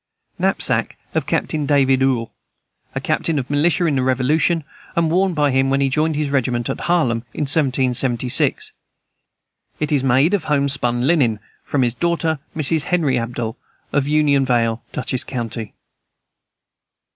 Knapsack of Captain David Uhl, a captain of militia in the Revolution, and worn by him when he joined his regiment at Harlem, in 1776. It is made of homespun linen. From his daughter, Mrs. Henry Abell, of Union Vale, Dutchess county.